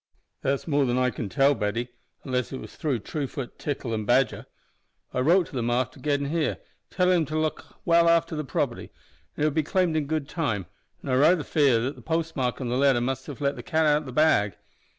"That's more than I can tell, Betty, unless it was through Truefoot, Tickle, and Badger. I wrote to them after gettin' here, tellin' them to look well after the property, and it would be claimed in good time, an' I raither fear that the postmark on the letter must have let the cat out o' the bag.